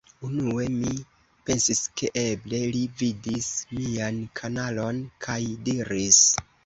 Unue mi pensis ke eble li vidis mian kanalon, kaj diris: